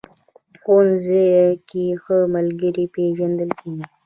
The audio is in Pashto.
ښوونځی کې ښه ملګري پېژندل کېږي